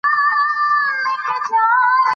د جوارو اوړو ډوډۍ هم صحي انتخاب دی.